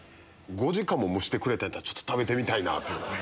５時間も蒸してくれてんやったら食べてみたいなぁっていうので。